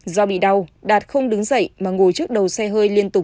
do bị đau đạt không đứng dậy mà ngồi trước đầu xe hơi liên tục